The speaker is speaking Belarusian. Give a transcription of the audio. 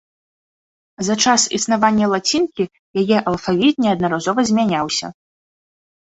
За час існавання лацінкі яе алфавіт неаднаразова змяняўся.